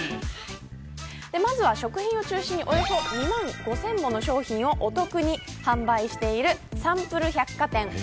まずは食品を中心におよそ２万５０００もの商品をお得に販売しているサンプル百貨店。